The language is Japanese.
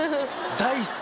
大好き。